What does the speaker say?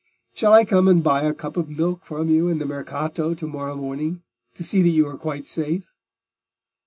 Shall I come and buy a cup of milk from you in the Mercato to morrow morning, to see that you are quite safe?"